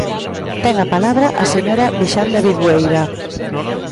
Ten a palabra a señora Vixande Abidueira.